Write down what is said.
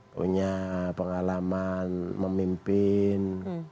punya pengalaman memimpin